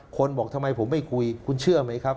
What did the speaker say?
บอกทำไมผมไม่คุยคุณเชื่อไหมครับ